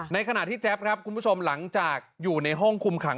ในขณะที่แจ๊บครับคุณผู้ชมหลังจากอยู่ในห้องคุมขัง